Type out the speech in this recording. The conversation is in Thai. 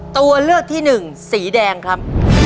ตัวเลือกที่หนึ่งสีแดงครับ